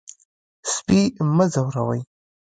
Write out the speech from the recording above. سپي مه ځوروئ.